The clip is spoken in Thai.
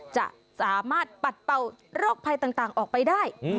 จะสามารถปัดเป่าโรคภัยต่างออกไปได้